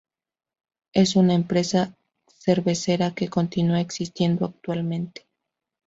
Es una empresa cervecera que continúa existiendo actualmente.